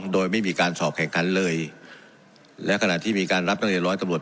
โดยไม่มีการสอบแข่งขันเลยและขณะที่มีการรับตั้งแต่ร้อยตำรวจ